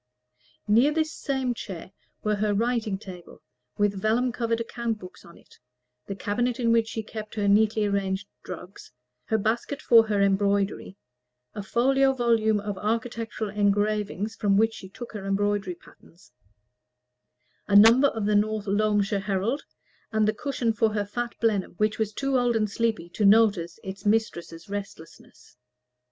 Near this same chair were her writing table, with vellum covered account books on it, the cabinet in which she kept her neatly arranged drugs, her basket for her embroidery, a folio volume of architectural engravings from which she took her embroidery patterns, a number of the "North Loamshire Herald," and the cushion for her fat Blenheim, which was too old and sleepy to notice its mistress's restlessness.